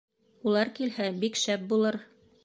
Улар килһә бик шәп булыр.